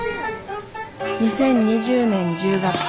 ２０２０年１０月。